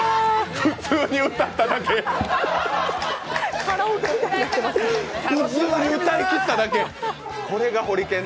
普通に歌っただけやん。